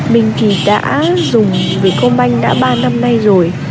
mình thì đã dùng việt công banh đã ba năm nay rồi